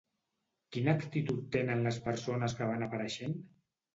Quina actitud tenen les persones que van apareixent?